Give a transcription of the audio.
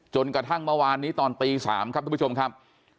จนกระทั่งเมื่อวานนี้ตอนตี๓ครับทุกผู้ชมครับ